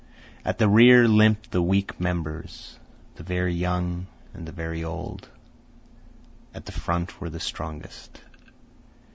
At the rear limped the weak members, the very young and the very old. At the front were the strongest.